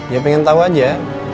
ya pengen tahu aja